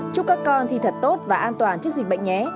chúc các con thì thật tốt và an toàn trước dịch bệnh nhé